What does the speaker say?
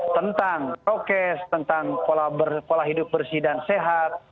tentang prokes tentang pola hidup bersih dan sehat